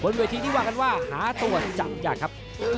เวทีที่ว่ากันว่าหาตัวจับยากครับ